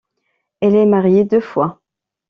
Elle est mariée deux fois.